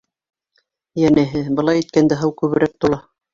Йәнәһе, былай иткәндә һыу күберәк тула.